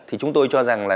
thì chúng tôi cho rằng là